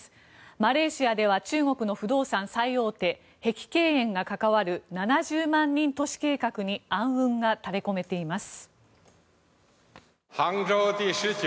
マレーシアでは中国の不動産最大手、碧桂園が関わる７０万人都市計画に暗雲が垂れ込めています。